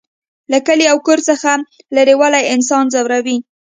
له کلي او کور څخه لرېوالی انسان ځوروي